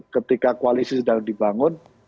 ketika koalisi sedang dibangun